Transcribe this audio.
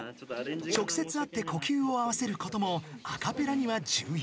［直接会って呼吸を合わせることもアカペラには重要］